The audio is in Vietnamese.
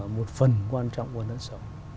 một phần quan trọng của nợ xấu